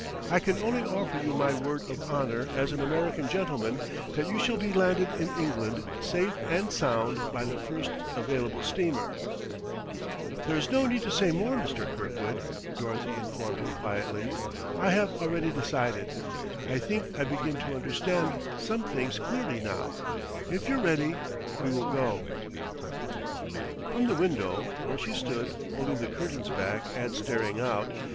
"I can only offer you my word of honor as an American gentleman that you shall be landed in England, safe and sound, by the first available steamer " "There's no need to say more, Mr. Kirkwood," Dorothy informed him quietly. "I have already decided. I think I begin to understand some things clearly, now.... If you're ready, we will go." From the window, where she stood, holding the curtains back and staring out, Mrs. Hallam turned with a curling lip.